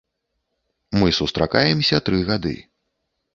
Мы сустракаемся тры гады.